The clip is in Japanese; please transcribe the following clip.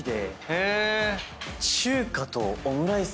へぇ。